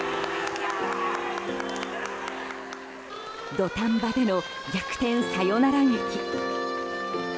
土壇場での逆転サヨナラ劇。